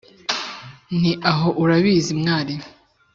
nti: «aho urabizi mwari,